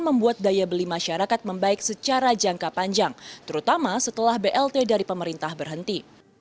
membuat daya beli masyarakat membaik secara jangka panjang terutama setelah blt dari pemerintah berhenti